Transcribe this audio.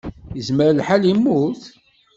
Yezmer lḥal yemmut.